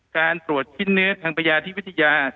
การตรวจชิ้นเนื้อทางพญาที่วิทยา